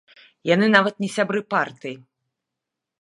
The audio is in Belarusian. Яны нават не сябры партыі.